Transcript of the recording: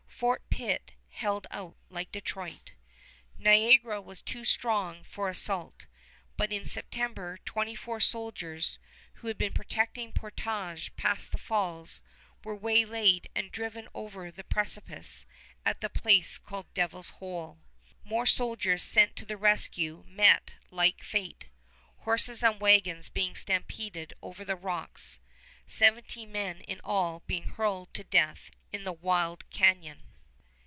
Fort Pitt held out like Detroit. Niagara was too strong for assault, but in September twenty four soldiers, who had been protecting portage past the falls, were waylaid and driven over the precipice at the place called Devil's Hole. More soldiers sent to the rescue met like fate, horses and wagons being stampeded over the rocks, seventy men in all being hurled to death in the wild canyon.